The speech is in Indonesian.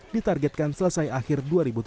ditargetkan selesai akhir dua ribu tujuh belas